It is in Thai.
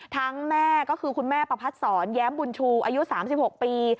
แม่ก็คือคุณแม่ประพัดศรแย้มบุญชูอายุ๓๖ปี